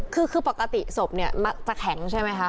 คือปกติศพเนี่ยมักจะแข็งใช่ไหมคะ